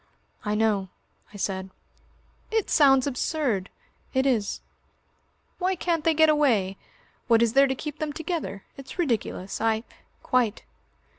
"I know," I said. "It sounds absurd." "It is." "Why can't they get away? What is there to keep them together? It's ridiculous. I " "Quite."